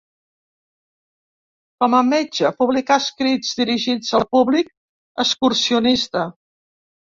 Com a metge, publicà escrits dirigits al públic excursionista.